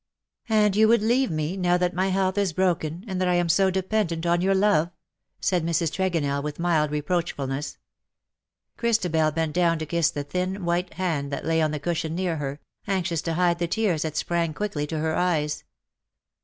^' And you would leave me, now that my health is broken, and that I am so dependent on your love 1'' said Mrs. Tregonell, with mild reproachfulness. Christabel bent down to kiss the thin, white hand that lay on the cushion near her — anxious to hide the tears that sprang quickly to her eyes.